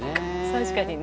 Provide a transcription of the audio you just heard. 確かにね。